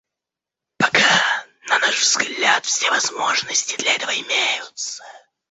Пока, на наш взгляд, все возможности для этого имеются.